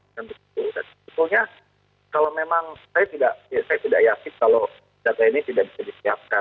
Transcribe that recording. dan tentunya kalau memang saya tidak yakin kalau data ini tidak bisa disiapkan